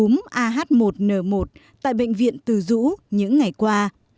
trong đó có nhiều trường hợp dương tính với h một n một tại bệnh viện từ dũ những ngày qua